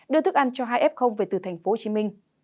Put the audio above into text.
đưa thức ăn cho hai f về từ tp hcm